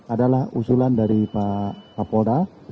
adalah usulan dari pak kapolda